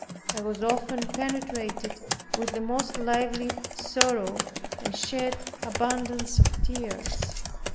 I was often penetrated with the most lively sorrow and shed abundance of tears.